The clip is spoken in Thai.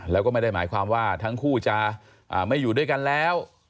แล้วก็ไม่ได้หมายความว่าทั้งคู่จะไม่อยู่ด้วยกันแล้ว